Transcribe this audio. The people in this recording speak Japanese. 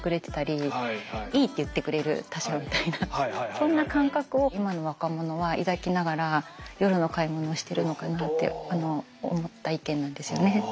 そんな感覚を今の若者は抱きながら夜の買い物をしてるのかなって思った意見なんですよね。